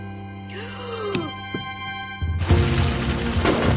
ああ！